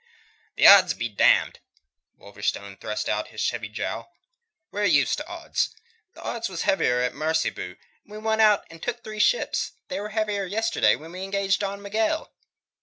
"The odds be damned!" Wolverstone thrust out his heavy jowl. "We're used to odds. The odds was heavier at Maracaybo; yet we won out, and took three ships. They was heavier yesterday when we engaged Don Miguel."